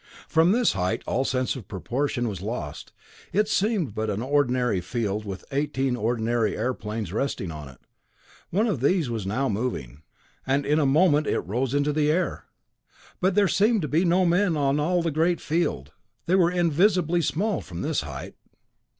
From this height all sense of proportion was lost. It seemed but an ordinary field, with eighteen ordinary airplanes resting on it. One of these now was moving, and in a moment it rose into the air! But there seemed to be no men on all the great field. They were invisibly small from this height.